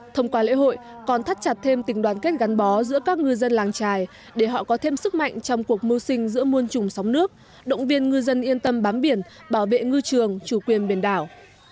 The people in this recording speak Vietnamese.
thông qua lễ hội còn thắt chặt thêm tình đoàn kết gắn bó giữa các ngư dân làng trài để họ có thêm sức mạnh trong cuộc mưu sinh giữa muôn trùng sóng nước động viên ngư dân yên tâm bám biển bảo vệ ngư trường chủ quyền biển đảo